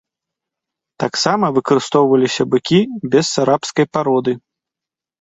Таксама выкарыстоўваліся быкі бесарабскай пароды.